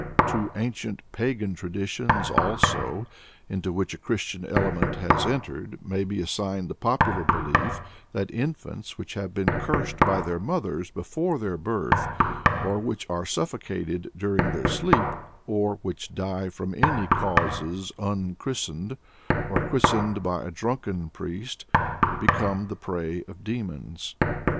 " To ancient pagan traditions, also, into which a Christian element has entered, may be assigned the popular belief that infants which have been cursed by their mothers before their birth, or which are suffocated during their sleep, or which die from any causes unchristened or christened by a drunken priest, become the prey of demons.